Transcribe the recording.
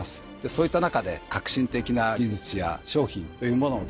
そういった中で革新的な技術や商品というものをですね